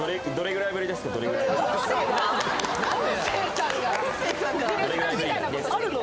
音声さんがディレクターみたいなことあるの？